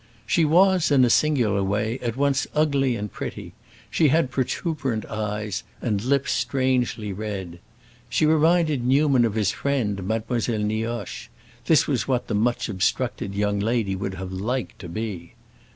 She was, in a singular way, at once ugly and pretty; she had protuberant eyes, and lips strangely red. She reminded Newman of his friend, Mademoiselle Nioche; this was what that much obstructed young lady would have liked to be.